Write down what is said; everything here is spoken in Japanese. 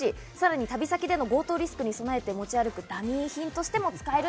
旅先での強盗リスクに備えて持ち歩くダミー品としても使えます。